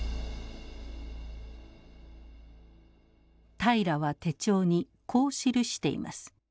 平良は手帳にこう記しています。